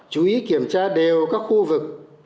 chú ý kiểm tra đều các khu vực